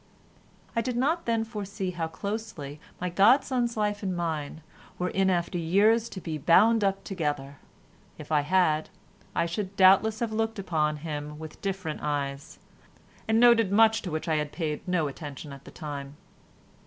I did not then foresee how closely my godson's life and mine were in after years to be bound up together; if I had, I should doubtless have looked upon him with different eyes and noted much to which I paid no attention at the time.